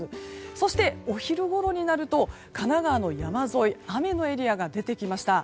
そして、お昼ごろになると神奈川の山沿いで雨のエリアが出てきました。